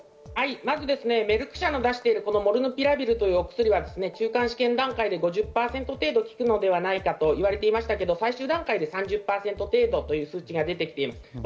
メルク社の出しているモルヌピラビルという薬は中間試験段階で５０％程度効くのではないかと言われていましたが最終段階で３０％程度と数値が出ています。